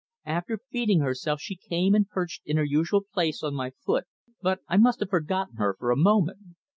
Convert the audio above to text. After feeding herself she came and perched in her usual place on my foot, but I must have forgotten her for a moment.